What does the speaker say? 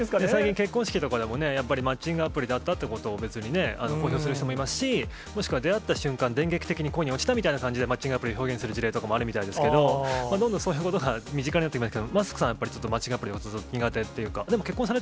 結婚式とかでもね、やっぱりマッチングアプリだったということを、別に公表する人もいますし、もしくは出会った瞬間、電撃的に恋に落ちたみたいな感じで、マッチングアプリを表現する事例とかもあるみたいですけど、どんどんそういうことが身近になってきました。